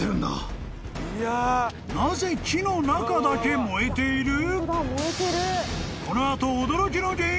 ［なぜ木の中だけ燃えている？］